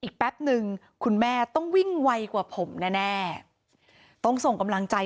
แป๊บนึงคุณแม่ต้องวิ่งไวกว่าผมแน่ต้องส่งกำลังใจ